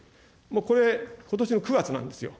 これ、ことしの９月なんですよ。